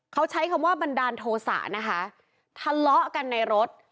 เขาใช้คำว่าบันดาลโทษะนะคะทะเลาะกันในรถ